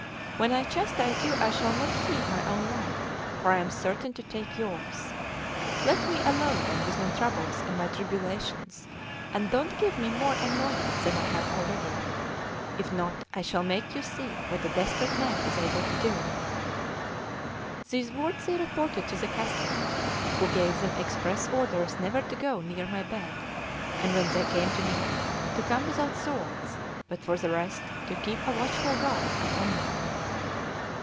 When I chastise you I shall not heed my own life, for I am certain to take yours. Let me alone then with my troubles and my tribulations, and don't give me more annoyance than I have already; if not, I shall make you see what a desperate man is able to do." These words they reported to the castellan, who gave them express orders never to go near my bed, and when they came to me, to come without swords, but for the rest to keep a watchful guard upon me.